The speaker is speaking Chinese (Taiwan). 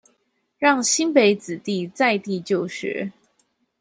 讓新北子弟在地就學